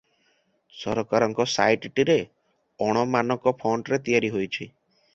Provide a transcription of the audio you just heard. ସରକାରଙ୍କ ସାଇଟଟିରେ ଅଣ-ମାନକ ଫଣ୍ଟରେ ତିଆରି ହୋଇଛି ।